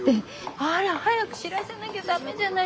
あら早く知らせなきゃダメじゃない。